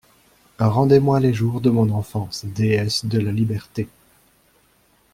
Rendez-moi les jours de mon enfance, Déesse de la Liberté!